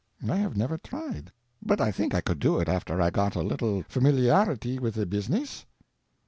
"I have never tried, but I think I could do it after I got a little familiarity with the business."